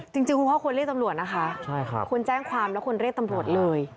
จริงคุณพ่อควรเรียกตำรวจนะคะควรแจ้งความแล้วควรเรียกตำรวจเลย